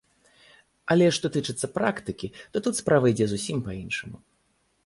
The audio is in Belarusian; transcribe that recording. Але што тычыцца практыкі, то тут справа ідзе зусім па-іншаму.